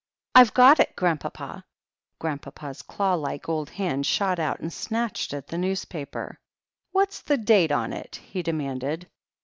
"Fve got it, Grandpapa!" Grandpapa's claw like old hand shot out and snatched at the newspaper. "What's the date on it?" he demanded.